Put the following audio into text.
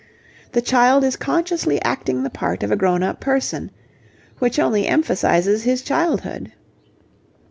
The child is consciously acting the part of a grown up person, which only emphasizes his childhood.